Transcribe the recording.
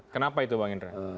kenapa itu bang indra